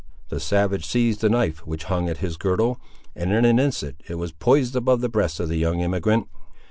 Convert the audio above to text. The savage seized the knife which hung at his girdle, and in an instant it was poised above the breast of the young emigrant.